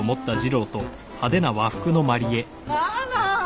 ママ！